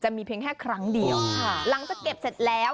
มีเพียงแค่ครั้งเดียวค่ะหลังจากเก็บเสร็จแล้ว